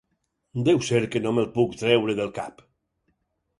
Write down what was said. Deu ser que no me'l puc treure del cap.